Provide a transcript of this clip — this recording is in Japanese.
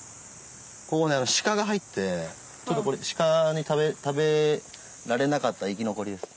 ここね鹿が入ってちょっとこれ鹿に食べられなかった生き残りです。